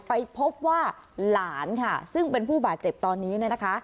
ไปพบว่าหลานค่ะซึ่งเป็นผู้บาดเจ็บตอนนี้เนี่ยนะคะ